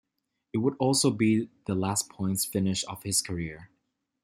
It would also be the last points finish of his career.